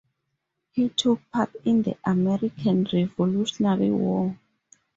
He took part in the American Revolutionary War.